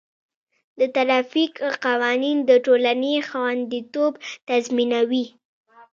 د ټرافیک قوانین د ټولنې خوندیتوب تضمینوي.